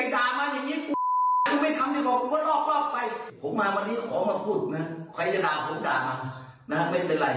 เด็กก็ต้องกฎเรื่องขอโทษเฏ็กก็สั่นไหวไปหมดละ